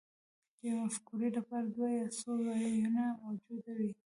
د یوې مفکورې لپاره دوه یا څو ویونه موجود وي